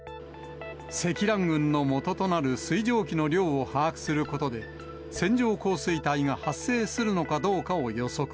積乱雲のもととなる水蒸気の量を把握することで、線状降水帯が発生するのかどうかを予測。